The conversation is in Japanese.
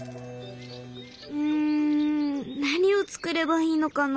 ん何を作ればいいのかな。